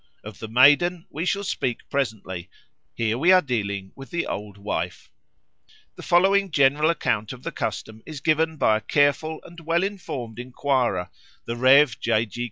Of the Maiden we shall speak presently; here we are dealing with the Old Wife. The following general account of the custom is given by a careful and well informed enquirer, the Rev. J. G.